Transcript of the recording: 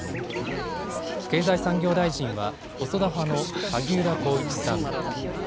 経済産業大臣は細田派の萩生田光一さん。